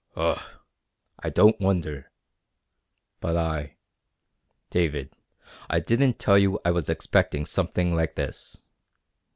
"Ugh! I don't wonder. But I ... David, I didn't tell you I was expecting something like this.